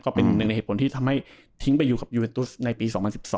ก็เป็นหนึ่งในเหตุผลที่ทำให้ทิ้งไปอยู่กับยูเอ็ตุในปี๒๐๑๒